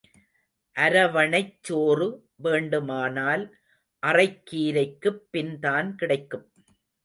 அரவணைச் சோறு வேண்டுமானால் அறைக்கீரைக்குப் பின்தான் கிடைக்கும்.